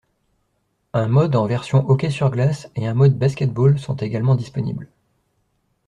Un mode en version hockey sur glace et un mode basket-ball sont également disponibles.